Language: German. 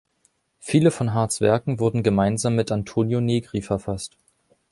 Viele von Hardts Werken wurden gemeinsam mit Antonio Negri verfasst.